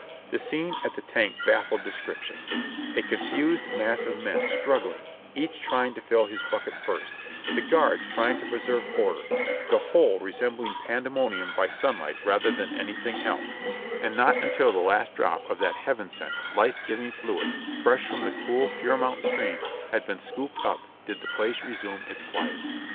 The scene at the tank baffled description — a confused mass of men struggling, each trying to fill his bucket first, the guards trying to preserve order, the whole resembling pandemonium by sunlight rather than anything else, and not until the last drop of that heaven 48 JOHNNY REB AND BlhhY YANK sent, life giving fluid, fresh from the cool, pure mountain stream, had been scooped up did the place resume its quiet.